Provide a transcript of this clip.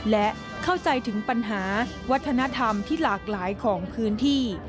และเข้าใจถึงปัญหาวัฒนธรรมที่หลากหลายของพื้นที่